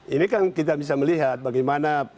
ini kan kita bisa melihat bagaimana